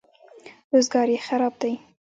روزګار یې خراب دی.